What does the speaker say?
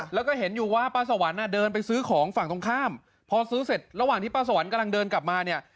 แล้วก็เห็นอยู่ว่าป้าสวรรค์เดินไปซื้อของฝั่งตรงข้ามพอซื้อเสร็จระหว่างที่ป้าสวรรค์กำลังเดินกลับมาเนี่ย